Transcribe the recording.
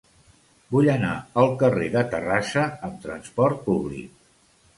Vull anar al carrer de Terrassa amb trasport públic.